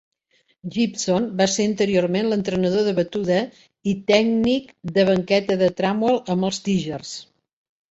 Gibson va ser anteriorment l'entrenador de batuda i tècnic de banqueta de Trammell amb els Tigers.